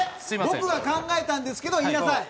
「僕が考えたんですけど」を言いなさい！